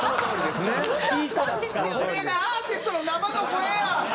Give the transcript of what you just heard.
これがアーティストの生の声や！